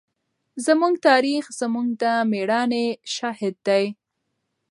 زموږ تاریخ زموږ د مېړانې شاهد دی.